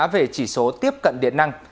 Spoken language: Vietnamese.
về chỉ số tiếp cận điện năng